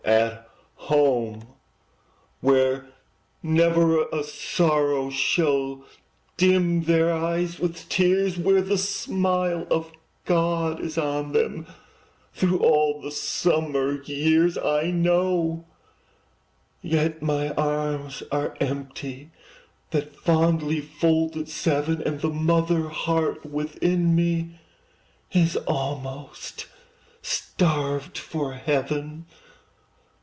At home, where never a sorrow Shall dim their eyes with tears! Where the smile of God is on them Through all the summer years! I know, yet my arms are empty, That fondly folded seven, And the mother heart within me Is almost starved for heaven.